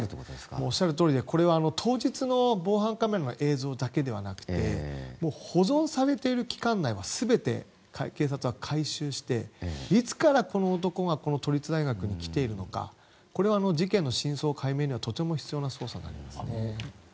おっしゃるとおりこれは当日の防犯カメラの映像だけではなくて保存されている期間内は全て警察は回収して、いつからこの男が都立大学に来ているのかこれは事件の真相解明にはとても必要な捜査になりますね。